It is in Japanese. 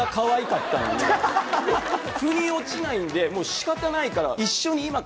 ふに落ちないんで仕方ないから。